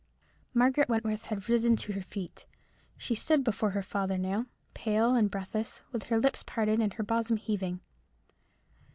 Margaret Wentworth had risen to her feet. She stood before her father now, pale and breathless, with her lips parted, and her bosom heaving.